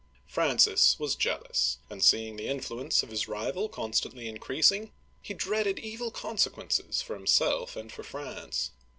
'' Francis was jealous, and seeing the influence of his rival constantly increasing, he dreaded evil consequences for himself and for France.